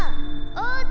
おうち！